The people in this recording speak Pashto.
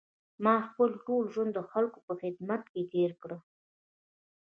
ما خپل ټول ژوند د خلکو په خدمت کې تېر کړی.